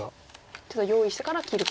ちょっと用意してから切るか。